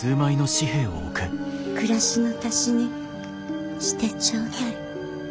暮らしの足しにしてちょうだい。